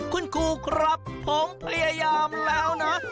คุณครูครับผมพยายามแล้วนะ